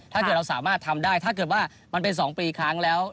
ถ้าเกิดเราสามารถทำได้ถ้าเกิดว่ามันเป็น๒ปีครั้งแล้ว